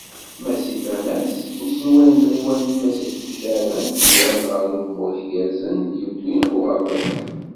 Ma si tama-s uselway n tɣiwant Mass Akli Caɛban, yuɣal-d ɣer ugemmuḍ igerrzen i d-yewwi uɣerbaz-a.